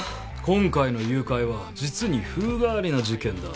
今回の誘拐は実に風変わりな事件だ。